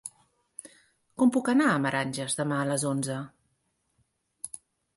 Com puc anar a Meranges demà a les onze?